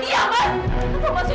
mas wisnu diam aja